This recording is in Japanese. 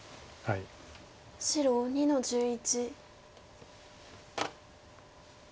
白２の十一。